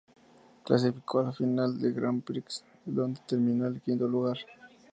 Clasificó a la Final del Grand Prix, donde terminó en el quinto lugar.